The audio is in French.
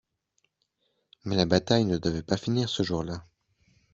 Mais la bataille ne devait pas finir ce jour-là.